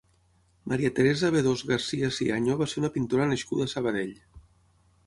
Maria Teresa Bedós Garcia-Ciaño va ser una pintora nascuda a Sabadell.